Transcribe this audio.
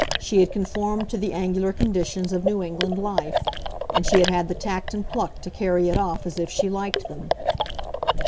She had conformed to the angular conditions of New England life, and she had had the tact and pluck to carry it off as if she liked them.